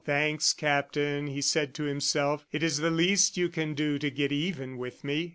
"Thanks, Captain," he said to himself. "It is the least you can do to get even with me!"